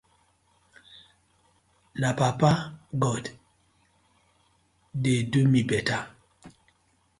Na papa god dey do mi better.